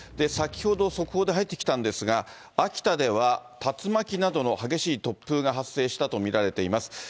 先ほど速報で入ってきたんですが、秋田では、竜巻などの激しい突風が発生したと見られています。